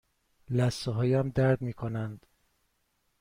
لثه هایم درد می کنند.